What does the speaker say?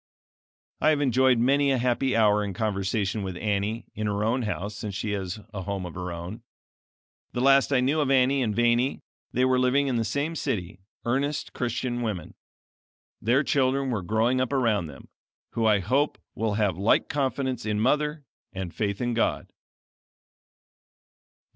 I have enjoyed many a happy hour in conversation with Annie in her own house since she has a home of her own. The last I knew of Annie and Vanie they were living in the same city, earnest Christian women. Their children were growing up around them, who, I hope, will have like confidence in mother, and faith in God.